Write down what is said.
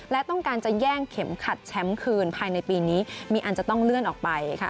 และต้องการจะแย่งเข็มขัดแชมป์คืนภายในปีนี้มีอันจะต้องเลื่อนออกไปค่ะ